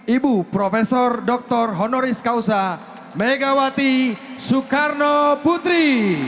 ibu prof dr honoris causa megawati soekarno putri